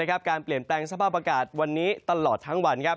การเปลี่ยนแปลงสภาพอากาศวันนี้ตลอดทั้งวัน